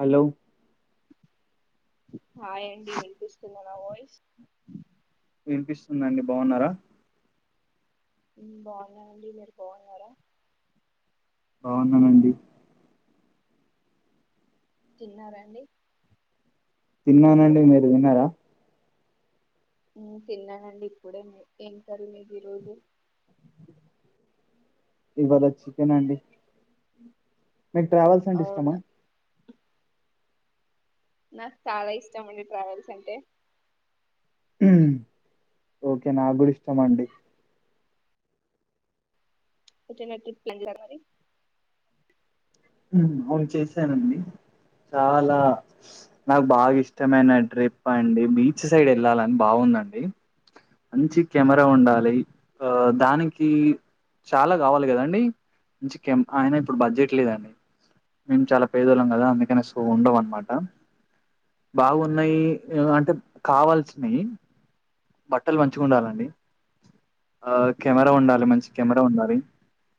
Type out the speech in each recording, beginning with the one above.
Hello hi అండి వినిపిస్తుందా నా వాయిస్ వినిపిస్తుందండి బావున్నారా బావున్నానండీ మీరు బావున్నారా బావున్నానండి తిన్నారాండి తిన్నానండి మీరు తిన్నారా తిన్నానండి ఇప్పుడే ఏం కర్రీ మీదిరోజు ఇవాళ చికెన్ అండి మీకు ట్రావెల్స్ అంటే ఇష్టమా అవునా నాకు చాలా ఇష్టం అండి ట్రావెల్స్ అంటే మ్ ఓకే నాగ్గుడా ఇష్టమండి ఎటైనా ట్రిప్ ప్లాన్ చేయరా మరి అవును చేశానండి చాలా నాకు బాగా ఇష్టమైన ట్రిప్ అండి బీచ్ సైడ్ వెళ్ళాలని బావు ఉందండి మంచి కెమెరా ఉండాలి ఆ దానికి చాలా గావాలి కదండి మంచి కెం ఆయన ఇప్పుడు బడ్జెట్ లేదండి మేము చాలా పేదోళ్లం కదా అందుకనే సో ఉండవు అన్నమాట బాగున్నాయి అంటే కావాల్సినయ్ బట్టలు మంచిగుండాలండి ఆ కెమెరా ఉండాలి మంచి కెమెరా ఉండాలి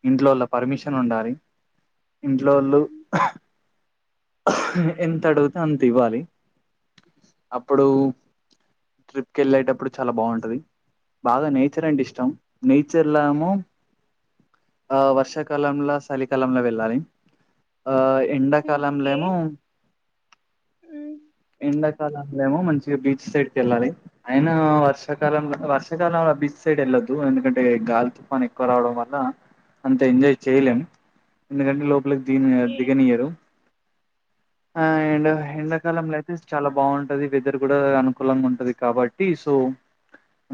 ఇంట్లో వాళ్ళ పర్మిషన్ ఉండాలి ఇంట్లో వోళ్ళు ఎంత అడుగుతే అంత ఇవ్వాలి అప్పుడు ట్రిప్కెళ్ళేటపుడు చాలా బావుంటది బాగా నేచర్ అంటే ఇష్టం నేచర్లా ఏమో ఆ వర్షాకాలంలో చలికాలంలో వెళ్ళాలి ఆ ఎండాకాలంలేమో మ్ ఎండాకాలంలేమో మంచిగా బీచ్ సైడ్ కెళ్ళాలి అయినా వర్షాకాలంలో వర్షాకాలం బీచ్ సైడ్ వెళ్ళొద్దు ఎందుకంటే గాలి తుఫాను ఎక్కువ రావడం వల్ల అంత ఎంజాయ్ చేయలేం ఎందుకంటే లోపలికి ది ఓకే దిగనియ్యరు ఆ ఎండ్ ఓకే ఎడాకాలంలయితే చాలా బావుంటది వెదర్ కూడా అనుకూలంగా ఉంటది కాబట్టి సో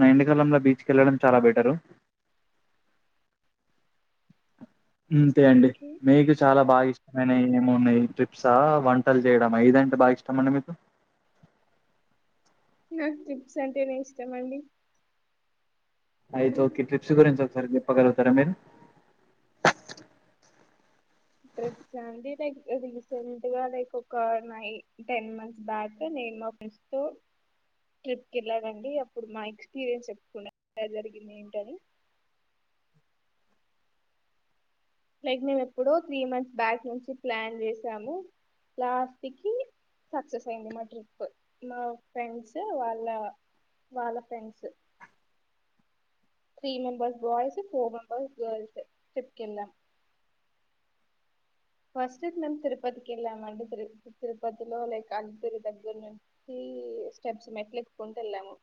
న ఎండకాలంలో బీచ్ కి వెళ్ళడం చాలా బెటరు. అంతే అండి ఓకే మేకు చాలా బాగి నేనెంది మోన్నాయి ట్రిప్సా, వంటలు చేయడమా ఇదంటే బాగా ఇష్టం అండి మీకు? నాకు టిప్స్ అంటే నే ఇష్టం అండి అయితే ఓకే ట్రిప్స్ గురించి ఒకసారి చెప్పగలుగుతారా మీరు? ట్రిప్చ్ అండి లైక్ రీసెంట్ గా లైక్ ఒక నైన్ టెన్ మంత్స్ బ్యాక్ నే సినిమా ఫెస్ తో ట్రిప్కి వెళ్ళాడండి అప్పుడు మా ఎక్స్పీరియన్స్ చెప్పుకున్న జరిగింది ఏంటని లైక్ మేము ఎప్పుడో త్రీ మంత్స్ బ్యాక్ నుంచి ప్లాన్ చేసాము లాస్ట్ కి సక్సెస్ అయింది మా ట్రిప్ మా ఫ్రెండ్స్ వాళ్ళ వాళ్ళ friends three members boys, four members girls trip కింద ఫస్ట్ మేము తిరుపతికి వెళ్ళామండి. తిరు తిరుపతిలో లైక్ అలుపిరి దగ్గర నుంచి స్టెప్స్ మెట్లు ఎక్కుకొంట వెళ్ళాము.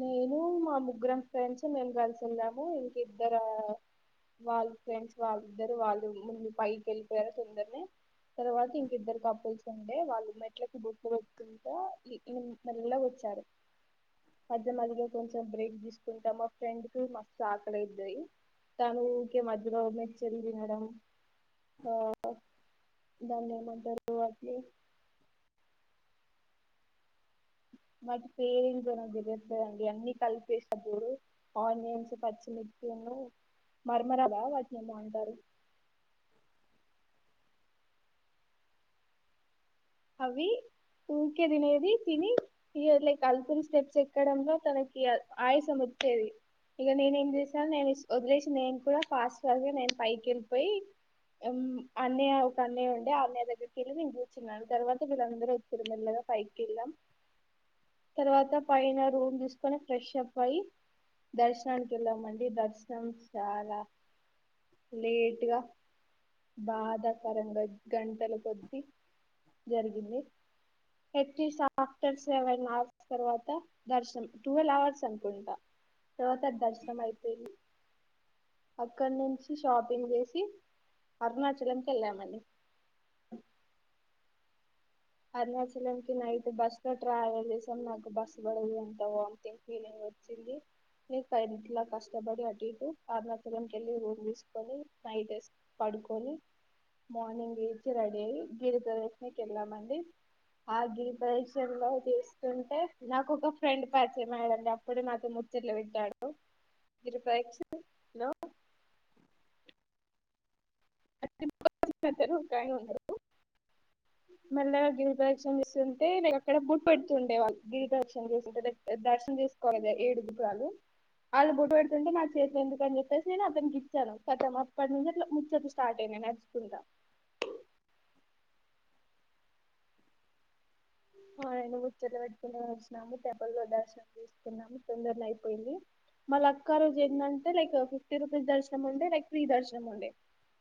నేను మా ముగ్గురం ఫ్రెండ్స్ మేము కలిసి ఎల్లాము ఇంక ఇద్దర వాళ్ళు ఫ్రెండ్స్ వాళ్ళిద్దరు వాళ్ళు ముందు పైకి వెళ్ళిపోయారు తొందరని తర్వాత ఇంకిద్దరు కపుల్స్ ఉండే వాళ్ళు మెట్లకి బొట్టులు పెట్టుకుంటా ఇ ఈ మెల్లగా వచ్చారు. మధ్య మధ్యలో కొంచెం బ్రేక్ తీసుకుంటా మా ఫ్రెండ్ కు మస్తు ఆకలిద్దాయి. తను ఊకే మద్యలో మెచ్చరింది మేడం ఆహ దాన్నేం అంటారు అది మ పేరలు బర ద అడి అన్ని కలిపిస్తరు ఆనియన్స్, పచ్చిమిర్చి మర మరా బ వాటిని ఏందో అంటారు? అవి ఊకే తినేది తిని ఇ వదిలే కల్పుల్స్ స్టెప్స్ ఎక్కడంలో తనకి ఆయాసం వ ఏది ఇక నేనే ఏం చేసాను నేను ఇస్ వదిలేసి నేను కూడా ఫాస్ట్ ఫస్ట్ గా నేను పైకి వెళ్ళిపోయి అన్నయ్య ఒక అన్నయ్య ఉండే ఆ అన్నయ్య దగ్గరికి వెళ్ళి నేను కూర్చున్నాను. తర్వాత విళందరం వచ్చిరి మెల్లగా పైకి ఎళ్ళం. తర్వాత పైన రూమ్ తీసుకొని ఫ్రెష్ అప్ అయి దర్శనానికి వెళ్ళామ అండి దర్శనం చాలా లేట్గా బాధాకరంగా గంటల కొద్ది జరిగింది ఏయిటిస్ ఆఫ్టర్ సెవెన్ అవర్స్ తర్వాత దర్శనం ట్వెల్వ్ అవర్స్ అనుకుంటా తర్వాత ధర్శనం అయిపోయి అక్కడ నుంచి షాపింగ్ చేసి అరుణాచలంకి వెళ్ళామండి. అరుణాచలంకి నైట్ బస్ లో ట్రావల్ చేసాం నాకు బస్ పడదు అంత వామిటింగ్ ఫీలింగ్ వచ్చింది ని కంట్ల కష్టపడి అట్ ఇటు అరుణాచలం కెళ్ళి రూమ్ తీసుకొని లైట్ ఎస్కొని ప పడుకొని మార్నింగ్ లేచి రెడీ అయి గిరి ప్రదక్షణకి వెళ్ళా మండి ఆ గిరి ప్రదక్షణ లో చేస్తుంటే నాకు ఒక ఫ్రెండ్ పరిచయం అయ్యాడండి అప్పుడు నాకు ముచ్చ ఇట్ల పెట్టాడు గిరి ప్రదక్షణకి హలో ఒక ఆయన ఉన్నరు మెల్లగా గిరి ప్రదక్షిణ చేస్తుంటె నేన్ అక్కడ బోట్ పెడుతుండే వాళ్ళ గిరి ప్రరిక్షిణ చేస్తుంటే దర్శనం చేసుకోవాలిగా ఏడు గోపురాలు వాళ్ళు బొడ్టు పెడుతుంటే నాకు చేతిలు ఎందుకని చెప్పేసి నేను అతనికి ఇచ్చాను కతం అప్పటి నుంచి అట్లా ముచ్చట్లు స్టార్ట్ అయ్ నచ్చకుంట ఆ నేను ముచ్చట్లు పెట్టుకుని వచ్చిన్నాము టెంపుల్ లో దర్శనం తీసుకున్నాము తొందరలో అయిపోయింది మళ్ళ అక్క రోజు ఏందంటే లైక్ ఫిఫ్టీ రూపీస్ దర్శనం ఉండే లైక్ ఫ్రీ దర్శనం ఉండే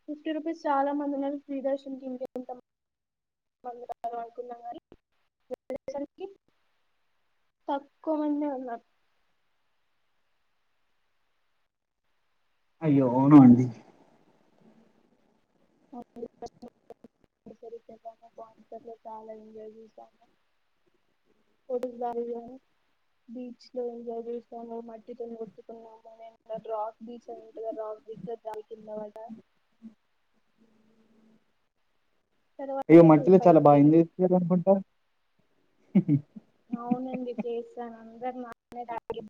ఫిఫ్టీ రూపీస్ చాలా మంది ఉన్నారు ఫ్రీ దర్శనం ఇంకేంత మంది మంది ఉన్నారు అనుకున్నాం కాని పర్సన్ కి తక్కువ మందే ఉన్నారు అయ్యో అవ్నా అండి అ తెరిను పాన్సర్లు బాగా ఎంజాయ్ చేశాము కొడుకుదార బీచ్ లో ఎంజాయ్ చేసాము మట్టితోని కొట్టుకున్నాము రాక్ బీచ్ అని ఉంటుందా రాక్ తుందని మాట అయ్యో తర్వాత మంటలో ట్రిప్ చాలా బాగా అయిపోయింది ఎంజాయ్ చేసారంటుకుంటా అవునండి చేస్తాను అందరు నాన్న డాడీ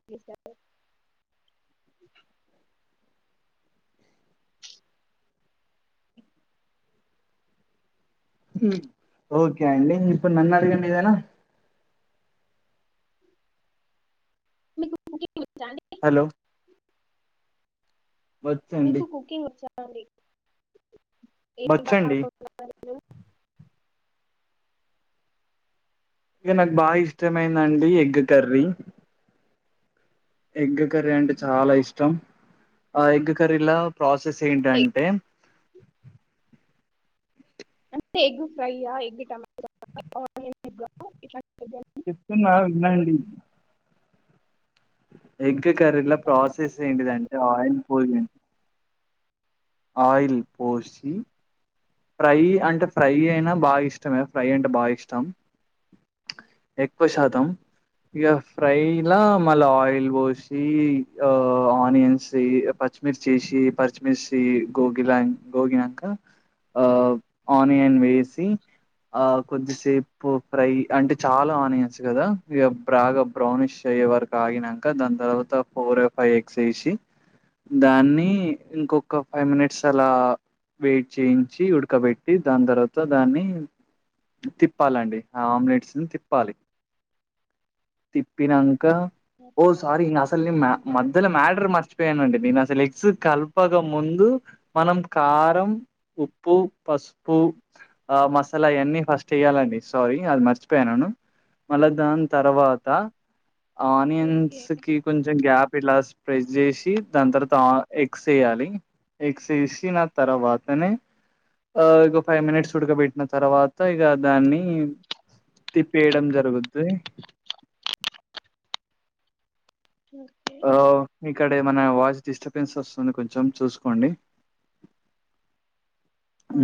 ఓకే అండి ఇప్పుడు నన్ను అడగండి ఏదైన మీకు వచ్చా అండి హలో వచ్చండి మీకు కుకింగ్ వచ్చా అండి ఏం బ బచ్చండి. ను ఇగ నాకు బాగా ఇష్టమైందండి ఎగ్ కర్రీ ఎగ్ కర్రీ అంటే చాలా ఇష్టం ఆ ఎగ్ కర్రీలా ప్రాసెస్ ఏంటంటే అంటే ఎగ్ ఫ్రైయా ఎగ్ టమాటలా చెప్తున్నా వినండి ఎగ్ కర్రీలో ప్రాసెస్ ఏంటిదంటే ఆయిల్ పోయ్ ఆయిల్ పోసి ఫ్రై అంటే ఫ్రై అయినా బాగా ఇష్టమే ఫ్రై అంటే బాగా ఇష్టం ఎక్కువ శాతం ఇగ ఫ్రైలా మళ్ళా ఆయిల్ పోసి ఆ ఆనియన్స్ ప పచ్చి మిర్చి చేసి పరిచిమిర్సి గోగిలా గోగినంక ఆ ఆన్యన్ వేసి ఆ కొద్దిసేపు ఫ్రై అంటే చాలా ఆనియన్స్ కదా ఇగ బాగా బ్రౌనిష్ అయ్ ఎ వరకి ఆగినంక దాని తర్వాత ఫోర్ ఫై ఎక్స్ ఏసి దాన్ని ఇంకొక ఫైవ్ మినిట్స్ అలా వెయిట్ చేయించి. తేచ్చి ఉడకబెట్టి దాని తర్వాత దాన్ని. తిప్పాలండి ఆ ఆమ్లెట్స్న్ తిప్పాలి తిప్పినం ఆహ్ ఓ సారి ఇంకా అసలు నే మ. మధ్యలో మ్యాటర్ మర్చిపోయానండి నేను అసలు ఎగ్స్ కలపక ముందు మనం కారం. ఉప్పు పసుపు. ఉప్పు ఆ మసాలా అవన్నీ ఫస్ట్ వేయ్యాలండి సారీ అది మర్చిపోయానును. మళ్ళా దాని తర్వాత. ఓకే ఆనియన్స్ కి కొంచెం గ్యాప్ ఇలా ప్రైస్. చేసి దాని తర్వాత ఎగ్స్ వేయాలి ఎగ్స్ వేసినా తర్వాతనే. ఆహ్ ఇక ఫైవ్ మినిట్స్ ఉడకబెట్టిన తర్వాత ఇక దాన్ని. తిప్పేయడం జరుగుద్ది. ఉమ్. పే మన వాయిస్ డిస్టర్బెన్స్ వస్తుంది కొంచెం చూసుకోండి.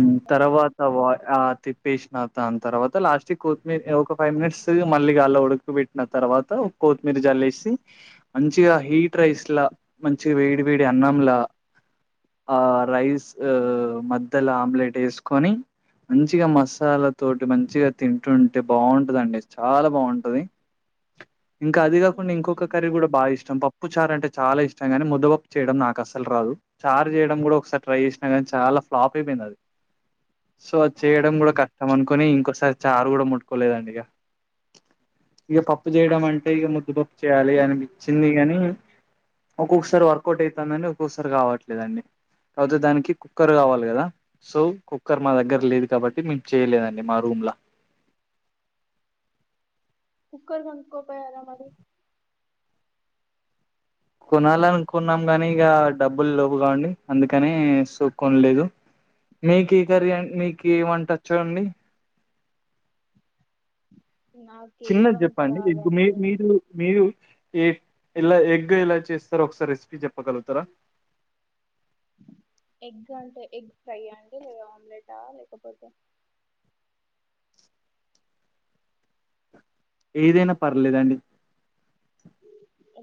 ఉమ్ తర్వాత వా ఆహ్ తిప్పి. వేసినా దాని తర్వాత లాస్ట్ కి కొత్తిమీర ఒక ఫైవ్ మినిట్స్ మళ్ళీగా అళ ఉడుక్ పెట్టి తర్వాత. కొత్తిమీర జలేసి మంచిగా హీట్ రైస్ లా మంచి వేడి వేడి అన్నంలా. ఆహ్ రైస్ మద్యలో ఆమ్లెట్ వేసుకొని. మంచిగా మసాలా తోటి మంచిగా తింటుంటే బాగుంటదండి చాలా బాగుంటది. ఇంకా అది కాకుండా ఇంకొక అవునండి కర్రీ కూడా బాగా ఇష్టం పప్పు. పప్పు చార్ అంటే చాలా ఇష్టం కానీ ముద్దపప్పు చేయడం నాకు అసలు రాదు చారు చేయడం కూడా ఒకసారి ట్రై చేసిన కానీ చాలా. ఫ్లాప్ అయిపోయింది అది సో అది చేయడం అవునా కూడా కష్టం అనుకోని ఇంకోసారి. చారు కూడా ముట్టుకోలేదండి ఇగ ఇక. పప్పు చేయడం అంటే ఇక ఓకే. ముద్దుపప్పు చేయాలి అనిపించింది కాని. ఒక్కొక్కసారి వర్కౌట్ అవుతుందండి ఒక్కొక్కసారి కావట్లేదండి. కాకపోతే దానికి కుక్కర్ కావాలి కదా సో కుక్కర్ మా దగ్గర లేదు కాబట్టి మేము చేయలేదండి మా రుమ్. రూమ్ల. కుక్కర్ కొనుకోపోయార మరి. కొనాలనుకున్నాము గాని ఇంకా డబ్బులు లేవుగాండి అందుకనే సో కొనలేదు. మీకు ఏ కర్రీ ఆహ్ మీకు ఏ వంటోచ్చు అండి. నాకు ఏ చిన్నది వంట చెప్పండి ఇదు రాదండి మీకు మీరు మీరు ఏ ఇలా ఎగ్ ఎలా చేస్తారో ఒకసారి రెసిపీ చెప్పు ఎగ్ అంటే. ఎగ్ ఫ్రై అండి లేదా ఆమ్లెటా లేకపోతే. ఏదైనా పర్లేదండి.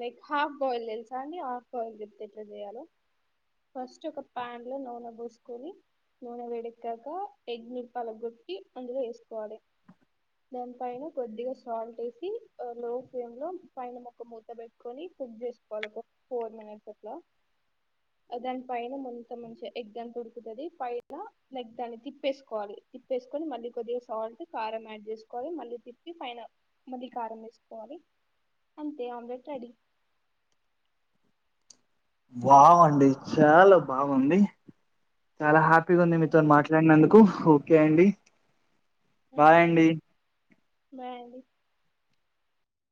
లైక్ హాఫ్ బాయిల్ తెలుసా అండి హాఫ్ బాయిల్ చెప్తా ఎట్లా చెయాలో. ఫస్ట్ ఒక ఫ్యాన్ లో నూనె పోసుకొని. నూనె వేడేక్కక ఎగ్ని పగలగొట్టి అందులో వేసుకోవాలి. దాని పైన కొద్దిగా సాల్ట్ వేసి ఆహ్ లో ఫ్లేమ్ లో పైన మొత్తం. పెట్టుకొని కుక్ చేసుకోవాలి ఒక ఫోర్ మినిట్స్ అట్లా. దాని పైన మొత్తం మంచిగా ఎగ్ అంతా ఉడుకుతది పైన ఎగ్ దాన్ని తిప్పేసుకోవాలి. తిప్పేసుకొని మళ్ళీ కొద్దిగా సాల్ట్ కారం యాడ్ చేసుకోవాలి మళ్ళీ తిప్పి పైన మళ్ళీ కారం వేసుకోవాలి. అంతే ఆమ్లెట్ రెడీ. వావ్ అండి చాలా బాగుంది చాలా హ్యాపీ. హ్యాపీగుంది మీతో మాట్లాడినందుకు ఓకే అండి. ఓకే అండి బాయ్ అండి.